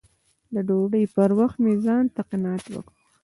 د ډوډۍ پر وخت مې ځان ته قناعت ورکړ